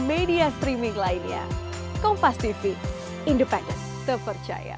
media streaming lainnya kompas tv independen terpercaya